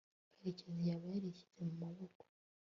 karekezi yaba yarishyize mu maboko